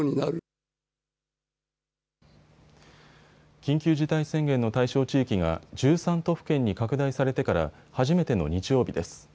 緊急事態宣言の対象地域が１３都府県に拡大されてから初めての日曜日です。